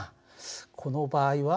この場合は。